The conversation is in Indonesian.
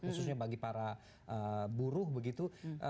khususnya bagi para buruh begitu